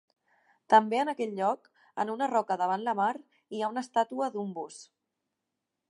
També en aquell lloc, en una roca davant la mar, hi ha una estàtua d'un bus.